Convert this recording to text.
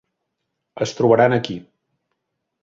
Els trobaran a aquí.